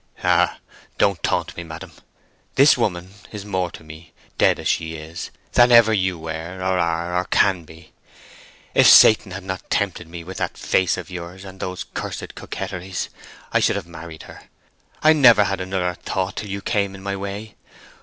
"Ah! don't taunt me, madam. This woman is more to me, dead as she is, than ever you were, or are, or can be. If Satan had not tempted me with that face of yours, and those cursed coquetries, I should have married her. I never had another thought till you came in my way.